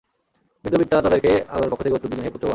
বৃদ্ধ পিতা তাদেরকে আল্লাহর পক্ষ থেকে উত্তর দিলেন, হে পুত্রগণ!